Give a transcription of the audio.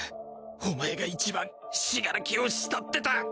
おまえが一番死柄木を慕ってた。